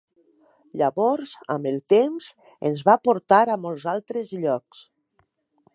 Llavors, amb el temps, ens va portar a molts altres llocs.